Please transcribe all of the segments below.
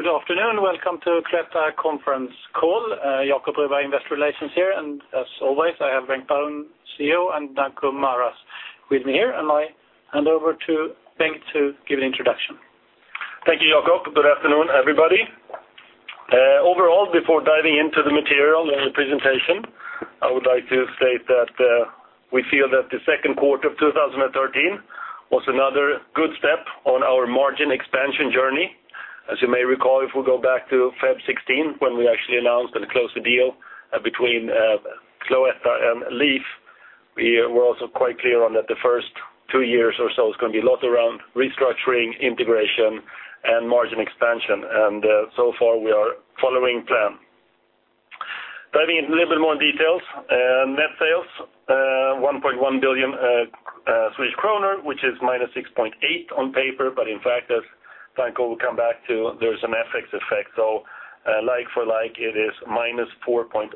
Good afternoon. Welcome to Cloetta conference call. Jakob Rydén, Investor Relations here, and as always, I have Bengt Baron, CEO, and Danko Maras with me here, and I hand over to Bengt to give an introduction. Thank you, Jakob. Good afternoon, everybody. Overall, before diving into the material and the presentation, I would like to state that we feel that the second quarter of 2013 was another good step on our margin expansion journey. As you may recall, if we go back to February 16, when we actually announced and closed the deal between Cloetta and Leaf, we were also quite clear on that the first two years or so is gonna be a lot around restructuring, integration, and margin expansion. So far we are following plan. Diving in a little bit more into details, net sales 1.1 billion Swedish kronor, which is -6.8% on paper, but in fact, as Danko will come back to, there's an FX effect. So, like for like, it is -4.1%.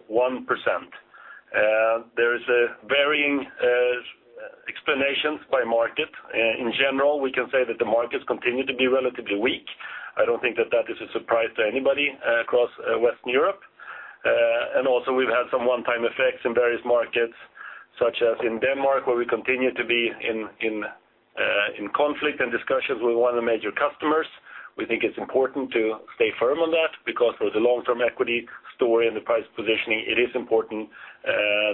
There are varying explanations by market. In general, we can say that the markets continue to be relatively weak. I don't think that that is a surprise to anybody across Western Europe. And also we've had some one-time effects in various markets, such as in Denmark, where we continue to be in conflict and discussions with one of the major customers. We think it's important to stay firm on that because for the long-term equity story and the price positioning, it is important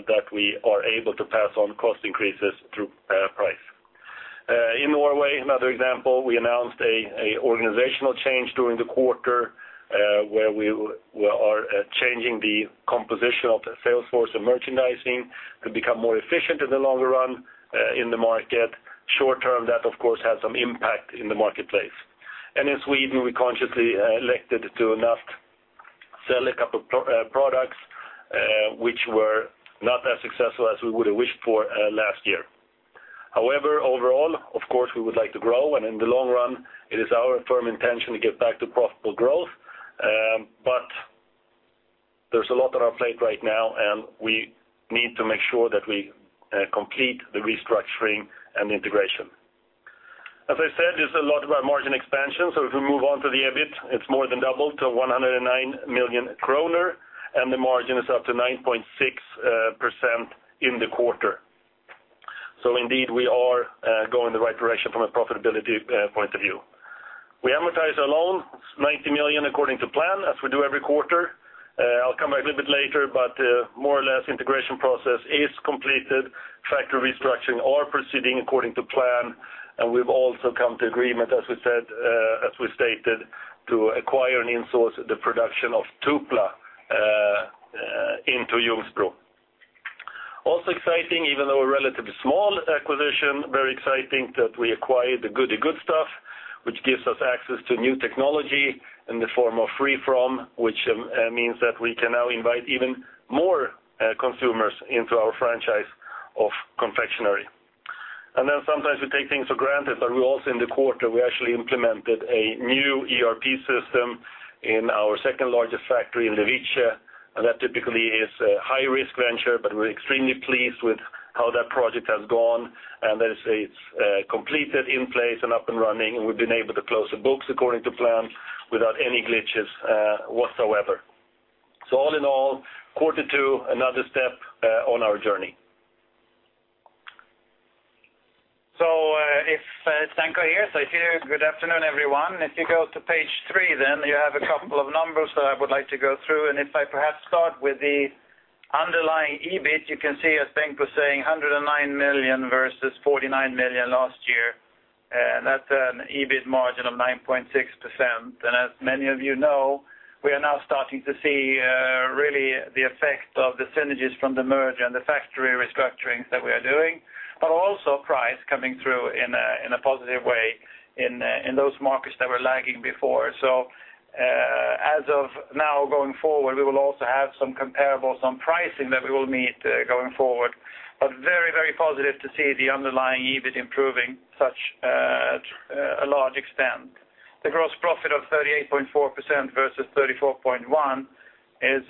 that we are able to pass on cost increases through price. In Norway, another example, we announced an organizational change during the quarter, where we are changing the composition of the sales force and merchandising to become more efficient in the longer run in the market. Short term, that, of course, had some impact in the marketplace. In Sweden, we consciously elected to not sell a couple pro products, which were not as successful as we would have wished for, last year. However, overall, of course, we would like to grow, and in the long run, it is our firm intention to get back to profitable growth. But there's a lot on our plate right now, and we need to make sure that we complete the restructuring and the integration. As I said, there's a lot about margin expansion. If we move on to the EBIT, it's more than doubled to 109 million kronor, and the margin is up to 9.6% in the quarter. Indeed, we are going the right direction from a profitability point of view. We amortize our loan. It's 90 million according to plan, as we do every quarter. I'll come back a little bit later, but, more or less, integration process is completed. Factory restructuring are proceeding according to plan, and we've also come to agreement, as we said, as we stated, to acquire and insource the production of Tupla, into Ljungsbro. Also exciting, even though a relatively small acquisition, very exciting that we acquired The Goody Good Stuff, which gives us access to new technology in the form of free-from, which, means that we can now invite even more, consumers into our franchise of confectionery. And then sometimes we take things for granted, but also, in the quarter, we actually implemented a new ERP system in our second largest factory in Levice, and that typically is a high-risk venture, but we're extremely pleased with how that project has gone, and that it's completed, in place, and up and running, and we've been able to close the books according to plan without any glitches whatsoever. So all in all, quarter two, another step on our journey. So, Danko here. So I see you. Good afternoon, everyone. If you go to page 3, then you have a couple of numbers that I would like to go through. And if I perhaps start with the underlying EBIT, you can see, as Bengt was saying, 109 million versus 49 million last year. And that's an EBIT margin of 9.6%. And as many of you know, we are now starting to see, really the effect of the synergies from the merger and the factory restructurings that we are doing, but also price coming through in a positive way in those markets that were lagging before. So, as of now going forward, we will also have some comparables on pricing that we will meet, going forward, but very, very positive to see the underlying EBIT improving such to a large extent. The gross profit of 38.4% versus 34.1% is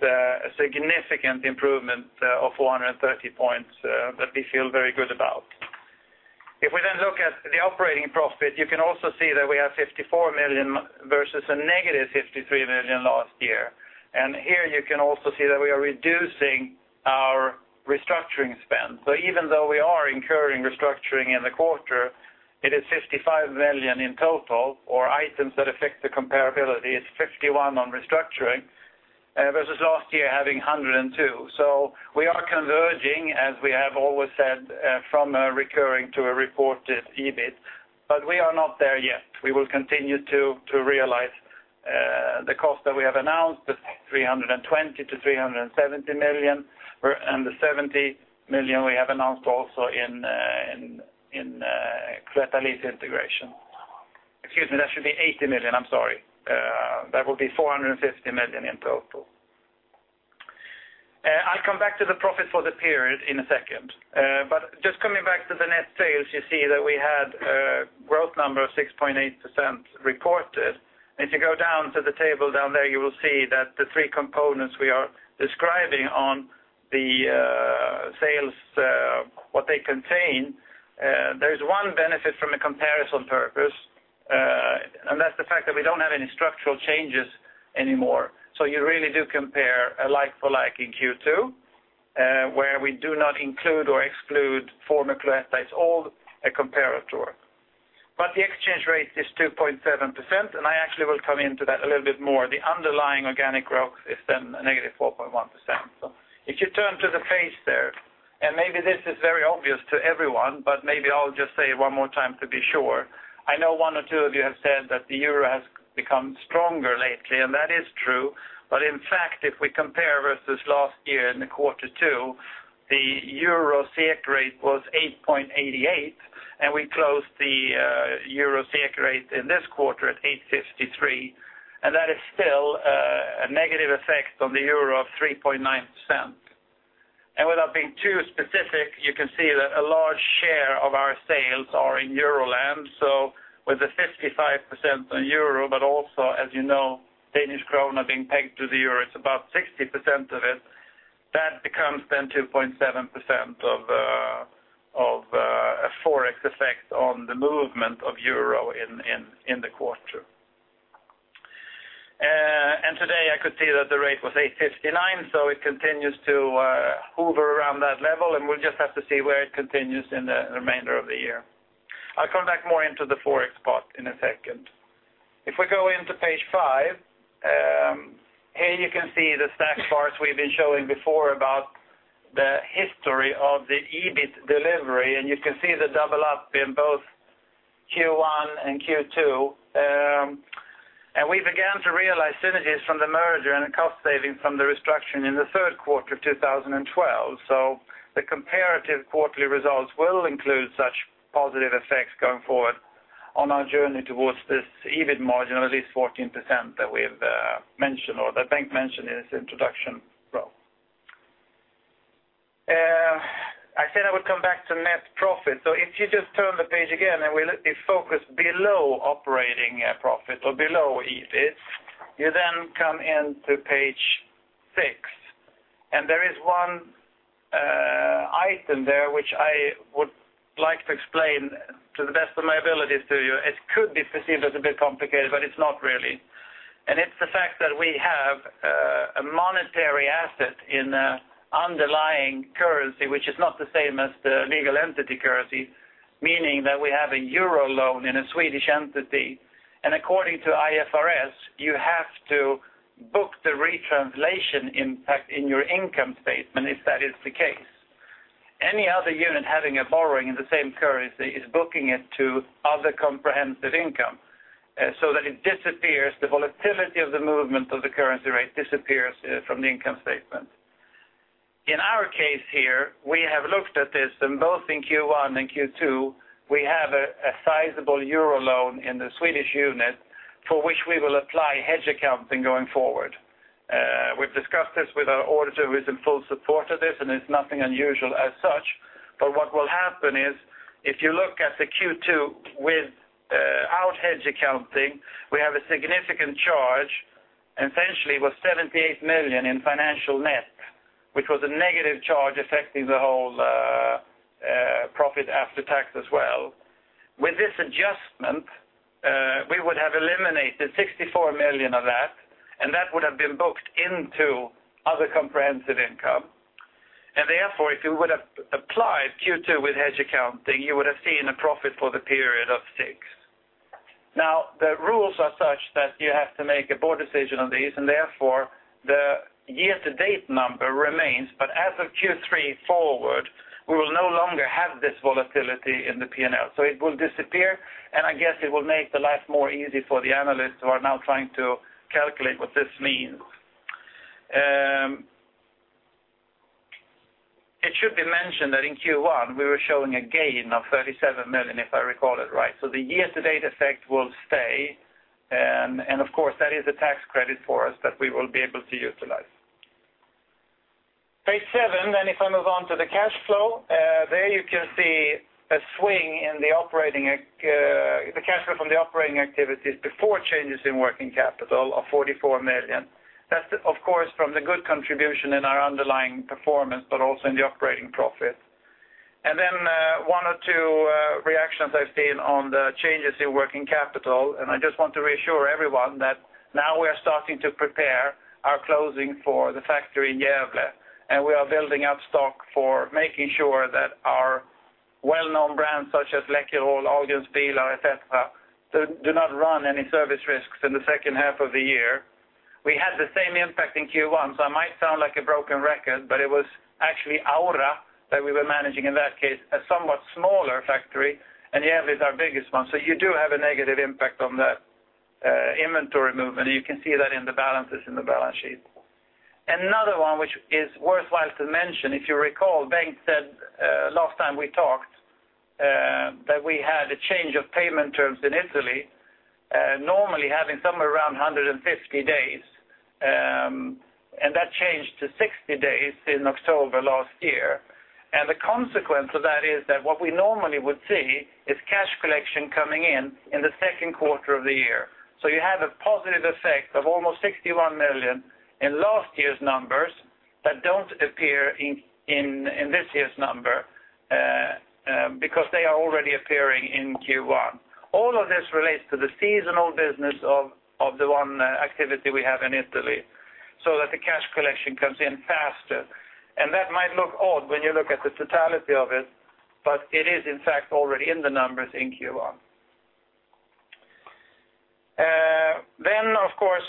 a significant improvement of 430 points that we feel very good about. If we then look at the operating profit, you can also see that we have 54 million versus a negative 53 million last year. Here you can also see that we are reducing our restructuring spend. So even though we are incurring restructuring in the quarter, it is 55 million in total, or items that affect the comparability. It's 51 million on restructuring, versus last year having 102 million. So we are converging, as we have always said, from a recurring to a reported EBIT, but we are not there yet. We will continue to realize the cost that we have announced, the 320 million-370 million, we're and the 70 million we have announced also in Cloetta Leaf integration. Excuse me. That should be 80 million. I'm sorry. That will be 450 million in total. I'll come back to the profit for the period in a second. But just coming back to the net sales, you see that we had a growth number of 6.8% reported. And if you go down to the table down there, you will see that the three components we are describing on the sales, what they contain, there's one benefit from a comparison purpose, and that's the fact that we don't have any structural changes anymore. So you really do compare a like for like in Q2, where we do not include or exclude former Cloetta. It's all a comparator. But the exchange rate is 2.7%, and I actually will come into that a little bit more. The underlying organic growth is then negative 4.1%. So if you turn to the page there, and maybe this is very obvious to everyone, but maybe I'll just say it one more time to be sure. I know one or two of you have said that the euro has become stronger lately, and that is true. But in fact, if we compare versus last year in the quarter two, the euro FX rate was 8.88, and we closed the, euro FX rate in this quarter at 8.53, and that is still, a negative effect on the euro of 3.9%. And without being too specific, you can see that a large share of our sales are in Euroland. So with the 55% on euro, but also, as you know, Danish krone are being pegged to the euro, it's about 60% of it. That becomes then 2.7% of a forex effect on the movement of euro in the quarter. Today I could see that the rate was 8.59, so it continues to hover around that level, and we'll just have to see where it continues in the remainder of the year. I'll come back more into the forex part in a second. If we go into page five, here you can see the stack bars we've been showing before about the history of the EBIT delivery, and you can see the double up in both Q1 and Q2. We began to realize synergies from the merger and cost savings from the restructuring in the third quarter of 2012. So the comparative quarterly results will include such positive effects going forward on our journey towards this EBIT margin of at least 14% that we've mentioned or that Bengt mentioned in his introduction role. I said I would come back to net profit. So if you just turn the page again, and we look if focus below operating profit or below EBIT, you then come into page six. And there is one item there which I would like to explain to the best of my abilities to you. It could be perceived as a bit complicated, but it's not really. And it's the fact that we have a monetary asset in an underlying currency, which is not the same as the legal entity currency, meaning that we have a euro loan in a Swedish entity. According to IFRS, you have to book the retranslation impact in your income statement if that is the case. Any other unit having a borrowing in the same currency is booking it to other comprehensive income, so that it disappears. The volatility of the movement of the currency rate disappears from the income statement. In our case here, we have looked at this, and both in Q1 and Q2, we have a sizable euro loan in the Swedish unit for which we will apply hedge accounting going forward. We've discussed this with our auditor who is in full support of this, and it's nothing unusual as such. But what will happen is if you look at the Q2 without hedge accounting, we have a significant charge, essentially was 78 million in financial net, which was a negative charge affecting the whole profit after tax as well. With this adjustment, we would have eliminated 64 million of that, and that would have been booked into other comprehensive income. Therefore, if you would have applied Q2 with hedge accounting, you would have seen a profit for the period of 6 million. Now, the rules are such that you have to make a board decision on these, and therefore, the year-to-date number remains. But as of Q3 forward, we will no longer have this volatility in the P&L. It will disappear, and I guess it will make the life more easy for the analysts who are now trying to calculate what this means. It should be mentioned that in Q1, we were showing a gain of 37 million, if I recall it right. The year-to-date effect will stay, and, and of course, that is a tax credit for us that we will be able to utilize. Page seven, then if I move on to the cash flow, there you can see a swing in the operating activities before changes in working capital of 44 million. That's, of course, from the good contribution in our underlying performance, but also in the operating profit. One or two reactions I've seen on the changes in working capital. I just want to reassure everyone that now we are starting to prepare our closing for the factory in Gävle, and we are building up stock for making sure that our well-known brands such as Läckerol, Alingsås Bilar, etc., do not run any service risks in the second half of the year. We had the same impact in Q1, so I might sound like a broken record, but it was actually Aura that we were managing in that case, a somewhat smaller factory, and Gävle is our biggest one. So you do have a negative impact on that, inventory movement, and you can see that in the balances in the balance sheet. Another one which is worthwhile to mention, if you recall, Bengt said, last time we talked, that we had a change of payment terms in Italy, normally having somewhere around 150 days, and that changed to 60 days in October last year. The consequence of that is that what we normally would see is cash collection coming in in the second quarter of the year. So you have a positive effect of almost 61 million in last year's numbers that don't appear in this year's number, because they are already appearing in Q1. All of this relates to the seasonal business of the one activity we have in Italy so that the cash collection comes in faster. And that might look odd when you look at the totality of it, but it is, in fact, already in the numbers in Q1. Then, of course,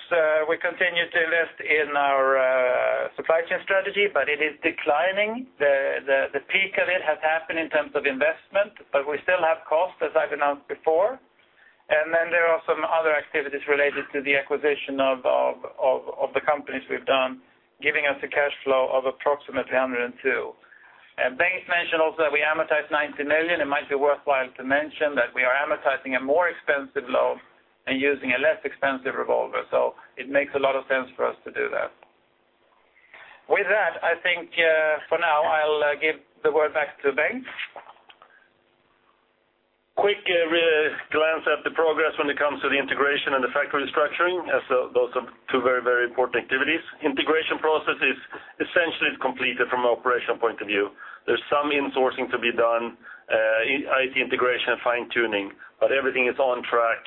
we continue to invest in our supply chain strategy, but it is declining. The peak of it has happened in terms of investment, but we still have cost, as I've announced before. And then there are some other activities related to the acquisition of the companies we've done, giving us a cash flow of approximately 102 million. Bengt mentioned also that we amortize 90 million. It might be worthwhile to mention that we are amortizing a more expensive loan and using a less expensive revolver. So it makes a lot of sense for us to do that. With that, I think for now, I'll give the word back to Bengt. Quick really glance at the progress when it comes to the integration and the factory restructuring, as those are two very, very important activities. Integration process is essentially completed from an operational point of view. There's some insourcing to be done, IT integration and fine-tuning, but everything is on track.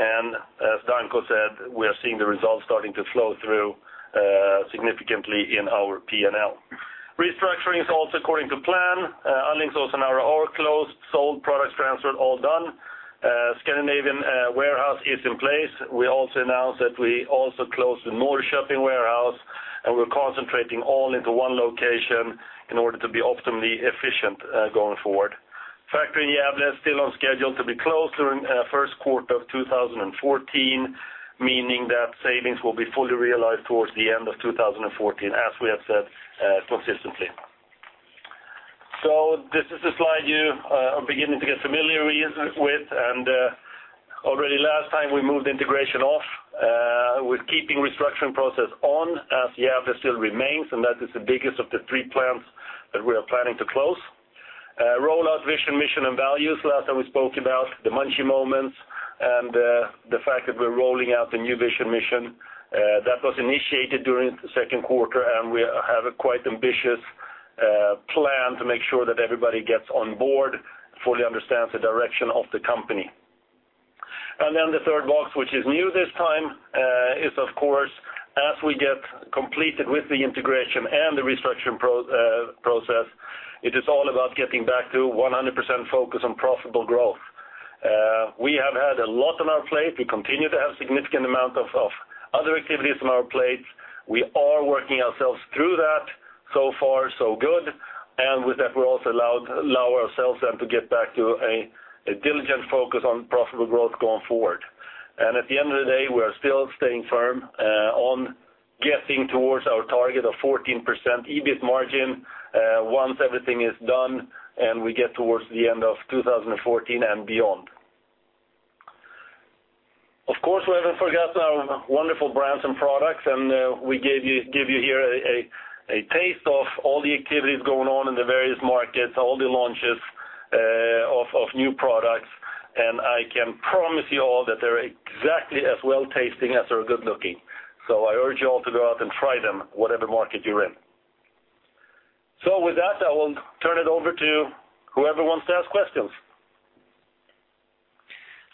And as Danko said, we are seeing the results starting to flow through, significantly in our P&L. Restructuring is also according to plan. Alingsås also now are all closed, sold, products transferred, all done. Scandinavian warehouse is in place. We also announced that we also closed the Norrköping warehouse, and we're concentrating all into one location in order to be optimally efficient, going forward. Factory in Gävle is still on schedule to be closed during first quarter of 2014, meaning that savings will be fully realized towards the end of 2014, as we have said, consistently. So this is a slide you are beginning to get familiar with. Already last time, we moved integration off, with keeping restructuring process on as Gävle still remains, and that is the biggest of the three plants that we are planning to close. Rollout vision, mission, and values, last time we spoke about the Munchy Moments and the fact that we're rolling out the new vision, mission. That was initiated during the second quarter, and we have a quite ambitious plan to make sure that everybody gets on board, fully understands the direction of the company. And then the third box, which is new this time, is, of course, as we get completed with the integration and the restructuring process, it is all about getting back to 100% focus on profitable growth. We have had a lot on our plate. We continue to have a significant amount of other activities on our plate. We are working ourselves through that so far, so good. And with that, we're also allow ourselves then to get back to a diligent focus on profitable growth going forward. And at the end of the day, we are still staying firm on getting towards our target of 14% EBIT margin, once everything is done and we get towards the end of 2014 and beyond. Of course, we haven't forgotten our wonderful brands and products, and we give you here a taste of all the activities going on in the various markets, all the launches of new products. And I can promise you all that they're exactly as well-tasting as they're good-looking. So I urge you all to go out and try them, whatever market you're in. So with that, I will turn it over to whoever wants to ask questions.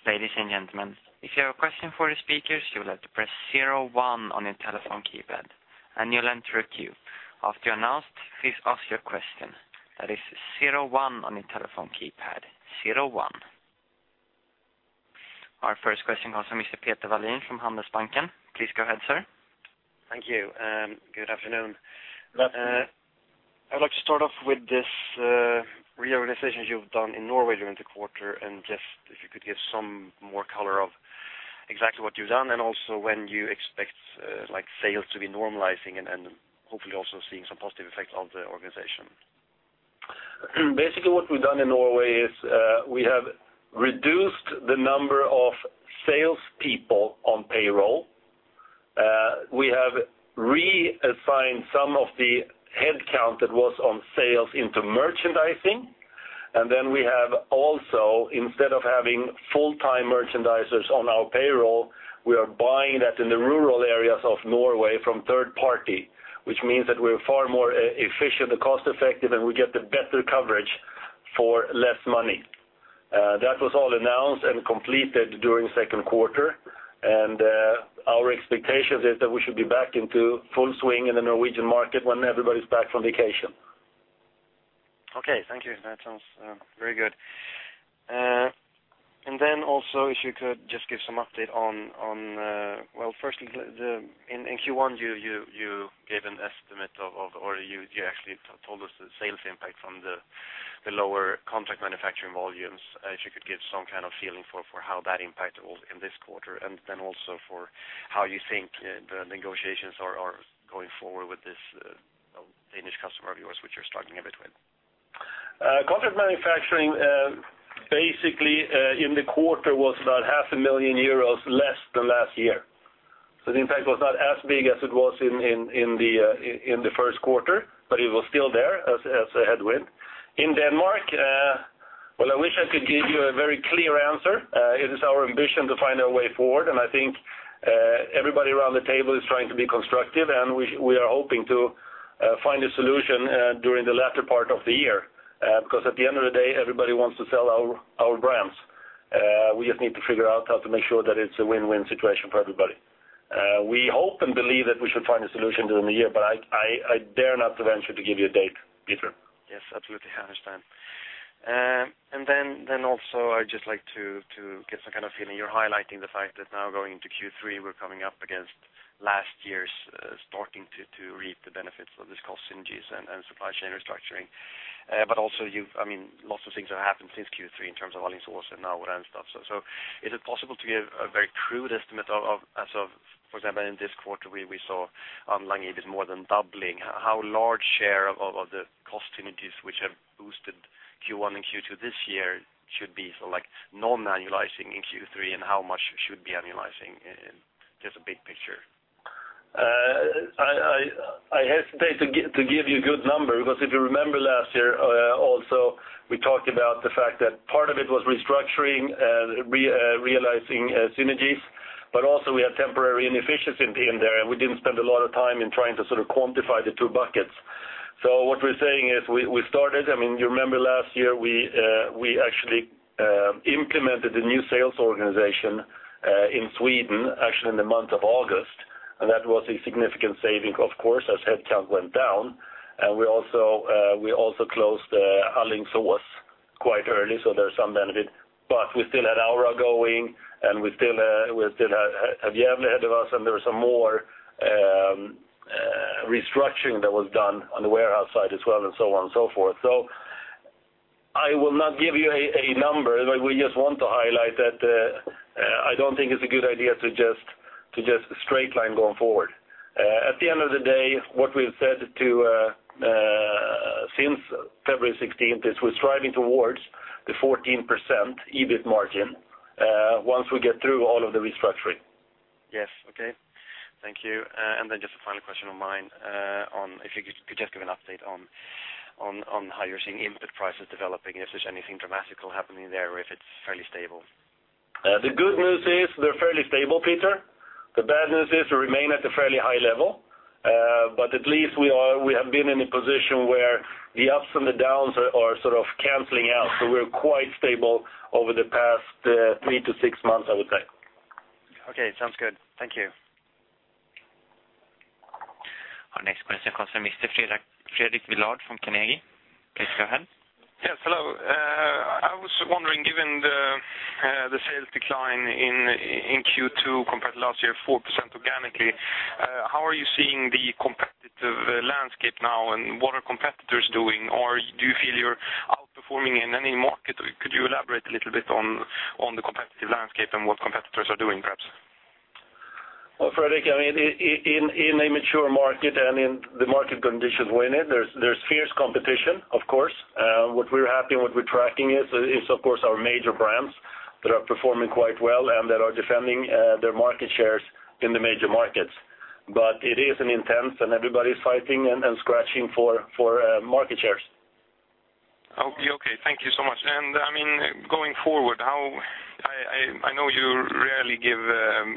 Ladies and gentlemen, if you have a question for the speakers, you will have to press 01 on your telephone keypad, and you'll enter a queue. After you're announced, please ask your question. That is 01 on your telephone keypad. 01. Our first question comes from Mr. Peter Wallin from Handelsbanken. Please go ahead, sir. Thank you. Good afternoon. Good afternoon. I would like to start off with this reorganization you've done in Norway during the quarter and just if you could give some more color of exactly what you've done and also when you expect, like, sales to be normalizing and, and hopefully also seeing some positive effect on the organization. Basically, what we've done in Norway is, we have reduced the number of salespeople on payroll. We have reassigned some of the headcount that was on sales into merchandising. And then we have also, instead of having full-time merchandisers on our payroll, we are buying that in the rural areas of Norway from third-party, which means that we're far more efficient and cost-effective, and we get the better coverage for less money. That was all announced and completed during second quarter. Our expectations is that we should be back into full swing in the Norwegian market when everybody's back from vacation. Okay. Thank you. That sounds very good. And then also, if you could just give some update on, well, firstly, in Q1, you gave an estimate of, or you actually told us the sales impact from the lower contract manufacturing volumes, if you could give some kind of feeling for how that impacted all in this quarter and then also for how you think the negotiations are going forward with this Danish customer of yours which you're struggling a bit with. Contract manufacturing, basically, in the quarter was about 500,000 euros less than last year. So the impact was not as big as it was in the first quarter, but it was still there as a headwind. In Denmark, well, I wish I could give you a very clear answer. It is our ambition to find our way forward, and I think, everybody around the table is trying to be constructive, and we, we are hoping to find a solution during the latter part of the year, because at the end of the day, everybody wants to sell our, our brands. We just need to figure out how to make sure that it's a win-win situation for everybody. We hope and believe that we should find a solution during the year, but I, I, I dare not to venture to give you a date, Peter. Yes. Absolutely. I understand. And then, then also, I'd just like to get some kind of feeling. You're highlighting the fact that now going into Q3, we're coming up against last year's, starting to reap the benefits of this cost synergies and supply chain restructuring. But also, you've—I mean, lots of things have happened since Q3 in terms of Alingsås Bilar now and stuff. So, is it possible to give a very crude estimate of as of, for example, in this quarter, we saw underlying EBIT more than doubling. How large share of the cost synergies which have boosted Q1 and Q2 this year should be so, like, non-annualizing in Q3, and how much should be annualizing in just a big picture? I hesitate to give you a good number because if you remember last year, also, we talked about the fact that part of it was restructuring, realizing synergies, but also, we had temporary inefficiency in there, and we didn't spend a lot of time in trying to sort of quantify the two buckets. So what we're saying is we started—I mean, you remember last year—we actually implemented the new sales organization in Sweden, actually in the month of August. And that was a significant saving, of course, as headcount went down. And we also closed Alingsås Bilar quite early, so there's some benefit. But we still had Aura going, and we still had Gävle ahead of us, and there was some more restructuring that was done on the warehouse side as well and so on and so forth. So I will not give you a number. But we just want to highlight that, I don't think it's a good idea to just straight-line going forward. At the end of the day, what we've said to, since February 16th is we're striving towards the 14% EBIT margin, once we get through all of the restructuring. Yes. Okay. Thank you. And then just a final question of mine, on if you could, could just give an update on, on, on how you're seeing input prices developing, if there's anything dramatic happening there or if it's fairly stable. The good news is they're fairly stable, Peter. The bad news is we remain at a fairly high level. But at least we have been in a position where the ups and the downs are, are sort of canceling out. So we're quite stable over the past, three to six months, I would say. Okay. Sounds good. Thank you. Our next question comes from Mr. Fredrik Villard from Carnegie. Please go ahead. Yes. Hello. I was wondering, given the sales decline in Q2 compared to last year, 4% organically, how are you seeing the competitive landscape now, and what are competitors doing? Or do you feel you're outperforming in any market? Could you elaborate a little bit on the competitive landscape and what competitors are doing, perhaps? Well, Fredrik, I mean, in a mature market and in the market conditions we're in it, there's fierce competition, of course. What we're happy and what we're tracking is, of course, our major brands that are performing quite well and that are defending their market shares in the major markets. But it is an intense, and everybody's fighting and scratching for market shares. Oh, you're okay. Thank you so much. I mean, going forward, how I know you rarely give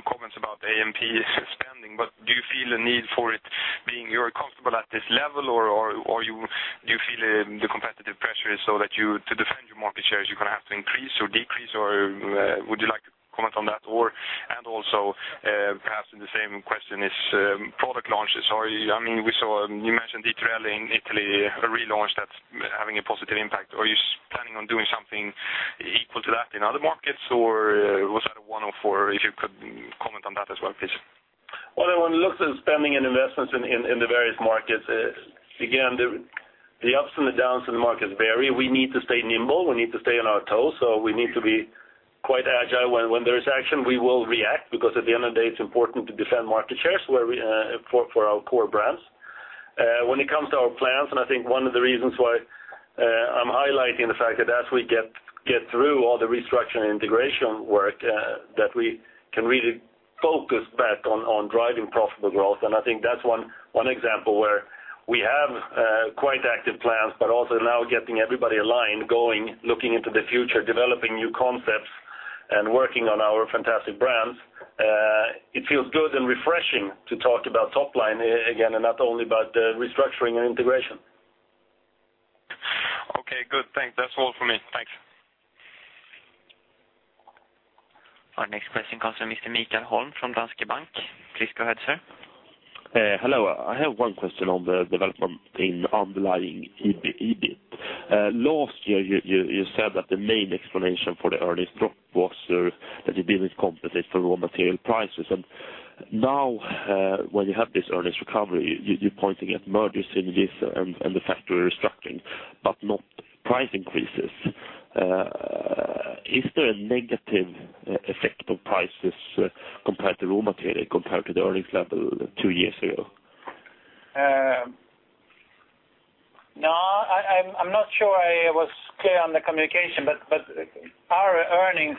comments about AMP spending, but do you feel the need for it being you're comfortable at this level, or you feel the competitive pressure is so that you to defend your market shares, you're gonna have to increase or decrease, or would you like to comment on that? Or, and also, perhaps in the same question is product launches. Are you? I mean, we saw you mentioned Dietorelle in Italy, a relaunch that's having a positive impact. Are you planning on doing something equal to that in other markets, or was that a one-off, or if you could comment on that as well, please. Well, I mean, when it looks at spending and investments in the various markets, again, the ups and the downs in the markets vary. We need to stay nimble. We need to stay on our toes. So we need to be quite agile. When there is action, we will react because at the end of the day, it's important to defend market shares where we, for our core brands. When it comes to our plans, and I think one of the reasons why I'm highlighting the fact that as we get through all the restructuring integration work, that we can really focus back on driving profitable growth. And I think that's one example where we have quite active plans but also now getting everybody aligned, going, looking into the future, developing new concepts, and working on our fantastic brands. It feels good and refreshing to talk about topline again, and not only about the restructuring and integration. Okay. Good. Thanks. That's all from me. Thanks. Our next question comes from Mr. Michael Holm from Danske Bank. Please go ahead, sir. Hello. I have one question on the development in underlying EBIT. Last year, you said that the main explanation for the earnings drop was that you didn't compensate for raw material prices. And now, when you have this earnings recovery, you're pointing at merger synergies and the factory restructuring but not price increases. Is there a negative effect of prices compared to raw material compared to the earnings level two years ago? No. I'm not sure I was clear on the communication, but our earnings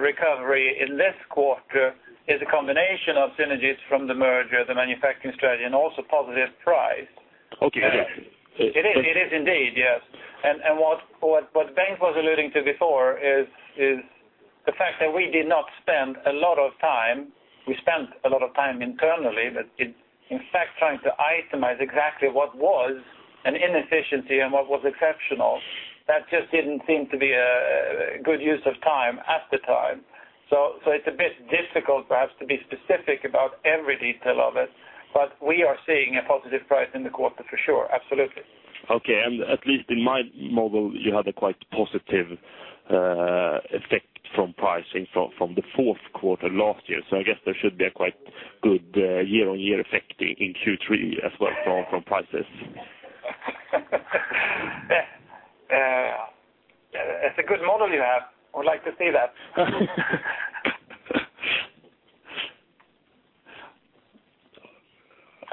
recovery in this quarter is a combination of synergies from the merger, the manufacturing strategy, and also positive price. Okay. It is indeed. Yes. And what Bengt was alluding to before is the fact that we did not spend a lot of time we spent a lot of time internally, but in fact, trying to itemize exactly what was an inefficiency and what was exceptional. That just didn't seem to be a good use of time at the time. So it's a bit difficult, perhaps, to be specific about every detail of it. But we are seeing a positive price in the quarter for sure. Absolutely. Okay. And at least in my model, you had a quite positive effect from pricing from the fourth quarter last year. So I guess there should be a quite good year-on-year effect in Q3 as well from prices. Yeah. It's a good model you have. I would like to see that.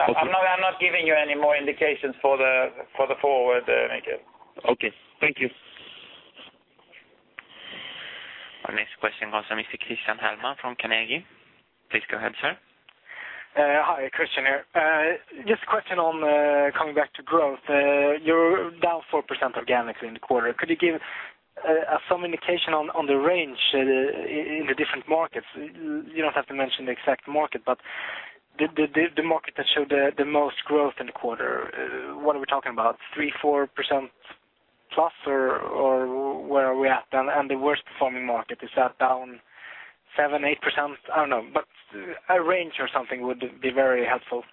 I'm not, I'm not giving you any more indications for the forward, Mikael. Okay. Thank you. Our next question comes from Mr. Christian Hellman from Carnegie. Please go ahead, sir. Hi. Christian here. Just a question on, coming back to growth. You're down 4% organically in the quarter. Could you give some indication on the range in the different markets? You don't have to mention the exact market, but the market that showed the most growth in the quarter, what are we talking about? 3%-4% plus, or where are we at? And the worst-performing market, is that down 7%-8%? I don't know. But a range or something would be very helpful.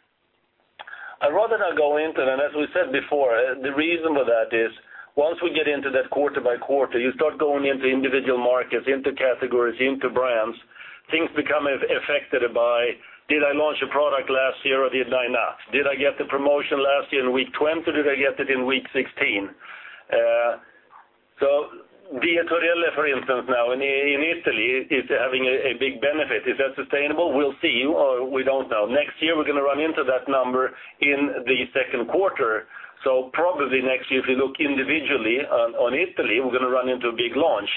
I'd rather not go into it. And as we said before, the reason for that is once we get into that quarter-by-quarter, you start going into individual markets, into categories, into brands, things become affected by, "Did I launch a product last year, or did I not? Did I get the promotion last year in week 20, or did I get it in week 16?" So Dietorelle, for instance, now in Italy is having a big benefit. Is that sustainable? We'll see. Or we don't know. Next year, we're gonna run into that number in the second quarter. So probably next year, if you look individually on Italy, we're gonna run into a big launch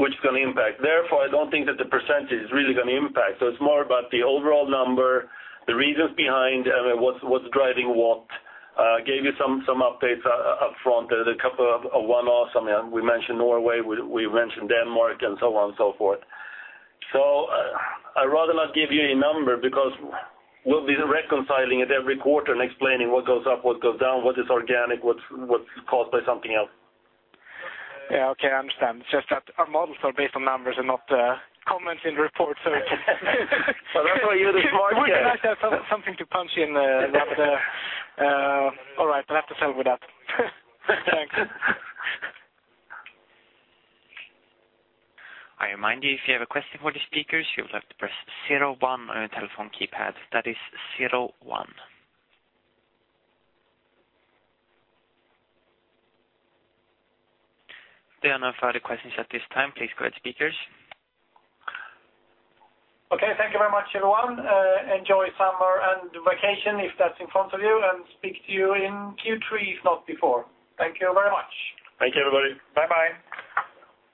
which is gonna impact. Therefore, I don't think that the percentage is really gonna impact. So it's more about the overall number, the reasons behind, I mean, what's driving what. I gave you some updates upfront, a couple of one-offs. I mean, we mentioned Norway. We mentioned Denmark, and so on and so forth. So, I'd rather not give you a number because we'll be reconciling it every quarter and explaining what goes up, what goes down, what is organic, what's caused by something else. Yeah. Okay. I understand. It's just that our models are based on numbers and not comments in the report, so. Well, that's why you're the smart guy. We can actually have something to punch in, that, all right. I'll have to settle with that. Thanks. I remind you, if you have a question for the speakers, you'll have to press 01 on your telephone keypad. That is 01. There are no further questions at this time. Please go ahead, speakers. Okay. Thank you very much, everyone. Enjoy summer and vacation if that's in front of you, and speak to you in Q3 if not before. Thank you very much. Thank you, everybody. Bye-bye.